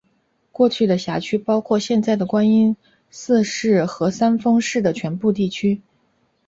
过去的辖区包含现在的观音寺市和三丰市的全部地区。